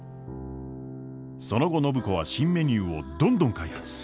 その後暢子は新メニューをどんどん開発。